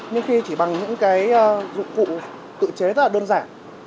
nhưng khi chỉ bằng những cái dụng cụ tự chế rất là đơn giản